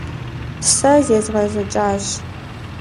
Сэ зезгъэзэкӀащ.